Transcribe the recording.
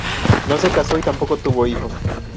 No se casó y tampoco tuvo hijos.